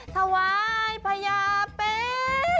ทวายพญาเป็น